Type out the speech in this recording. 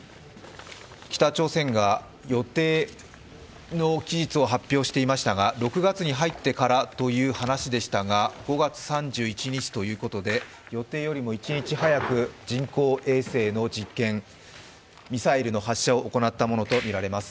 北朝鮮が予定の期日を発表していましたが、６月に入ってからという話でしたが５月３１日ということで、予定より１日早く人工衛星の実験、ミサイルの発射を行ったものとみられます。